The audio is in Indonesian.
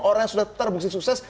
orang yang sudah terbukti sukses